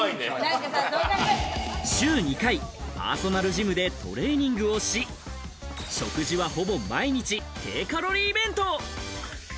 週２回、パーソナルジムでトレーニングをし、食事はほぼ毎日、低カロリー弁当。